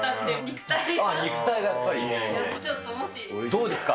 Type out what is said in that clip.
どうですか？